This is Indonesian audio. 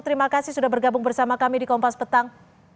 terima kasih sudah bergabung bersama kami di kompas petang